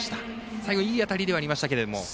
最後いい当たりではありましたが。